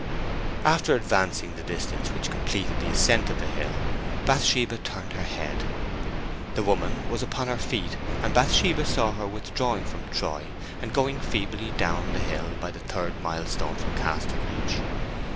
After advancing the distance which completed the ascent of the hill, Bathsheba turned her head. The woman was upon her feet, and Bathsheba saw her withdrawing from Troy, and going feebly down the hill by the third milestone from Casterbridge.